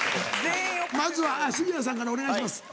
まずは杉谷さんからお願いします。